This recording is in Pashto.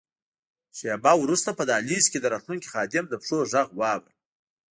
شیبه وروسته په دهلېز کې د راتلونکي خادم د پښو ږغ واورم.